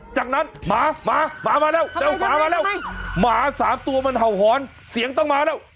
จากนั้นหมาหมาหมาออกมาแล้วหมาทั้ง๓ตัวมันเห่าหอนเสียงต้องมาแล้ว